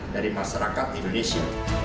dari masyarakat indonesia